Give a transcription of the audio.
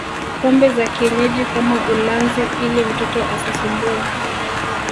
pombe za kienyeji kama ulanzi ili mtoto asisumbue